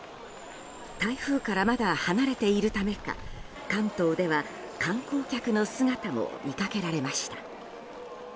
台風からまだ離れているためか関東では観光客の姿も見かけられました。